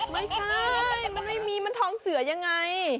ไม่ใช่มันไม่มีมันทองเสือยังไง